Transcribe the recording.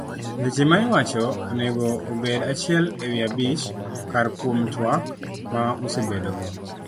Weche ma iwacho onego obed achiel ewi abich kar kuom twak ma ubedogo.